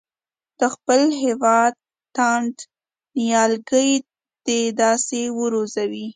د خپل هېواد تاند نیالګي دې داسې وروزي.